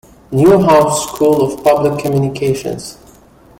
Newhouse School of Public Communications.